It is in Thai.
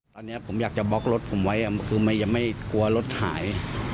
ตอนนี้ผมอยากจะบล็อกรถผมไว้คือไม่กลัวรถหาย